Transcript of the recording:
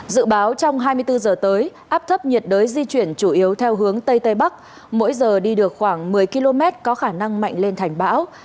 dự báo trong hai mươi bốn giờ tới áp thấp nhiệt đới di chuyển chủ yếu theo hướng tây tây bắc mỗi giờ đi được khoảng một mươi km có khả năng mạnh lên thành bão